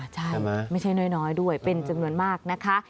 ใช่ไม่ใช่น้อยด้วยเป็นจำนวนมากนะคะ